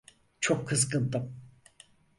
Çok kızgındım.